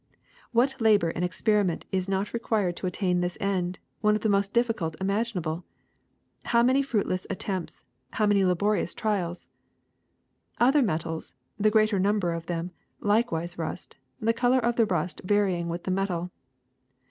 What labor and experiment has it not required to attain this end, one of the most difficult imaginable ! How many fruitless attempts, how many laborious trials !^^ Other metals, the greater number of them, like wise rust, the color of the rust varying with the metal.